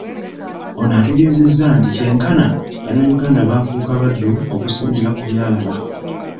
Ono ategeezezza nti kyenkana bannayuganda baafuuka baddu okusinzira kubyalaba.